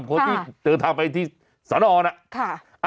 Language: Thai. คนที่เดินทางไปที่สนนะ